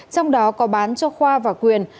trong đó có bán cho khoa và quyền